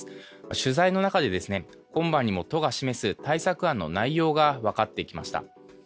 取材の中で今晩にも都が示す対策案の内容が分かってきました。